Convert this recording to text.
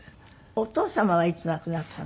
お父様はいつ亡くなったの？